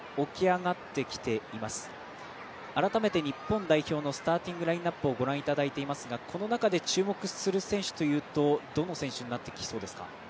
改めて日本代表のスターティングラインナップをご覧いただいていますがこの中で注目する選手というとどの選手になってきそうですか。